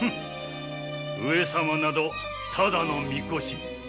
上様などただのミコシ。